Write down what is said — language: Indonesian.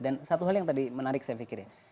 dan satu hal yang tadi menarik saya pikir ya